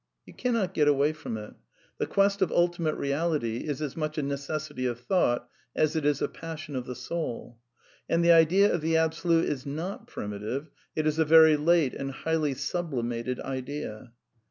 You cannot get away from it The quest of Ultimate Reality is as much a necessity of thought as it is a passion ^^ of the soul. And the idea of the Absolute is not primitiver^"^ It is a very late and highly '^ sublimated " idea.